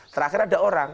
terakhir ada orang